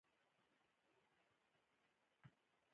د تولید هره برخه په دقت ترسره کېږي.